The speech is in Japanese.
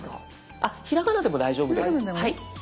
あっひらがなでも大丈夫です。